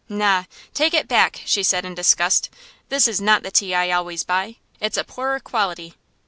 "Na, take it back," she said in disgust; "this is not the tea I always buy. It's a poorer quality."